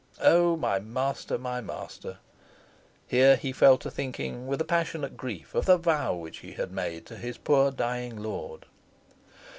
Oh! my master, my master!" (here he fell to thinking with a passionate grief of the vow which he had made to his poor dying lord.)